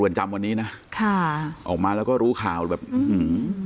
จำวันนี้นะค่ะออกมาแล้วก็รู้ข่าวแบบอื้อหือ